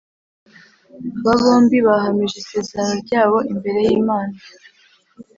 Aba bombi bahamije isezerano ryabo imbere y’Imana